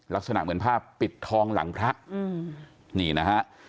ลักษณะเหมือนภาพปิดทองหลังพระอืมนี่นะฮะ